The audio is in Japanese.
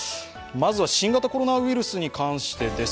まずは、新型コロナウイルスに関してです。